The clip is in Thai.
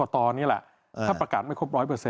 ถ้าประกันไม่ครบ๑๐๐